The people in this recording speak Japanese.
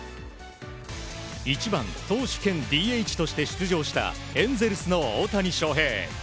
１番投手兼ＤＨとして出場したエンゼルスの大谷翔平。